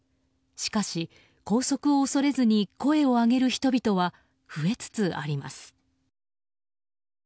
しかし、拘束を恐れずに声を上げる人々は増えつつあります。